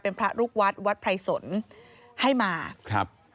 เป็นพระลูกวัดวัดไพรสนให้มาครับ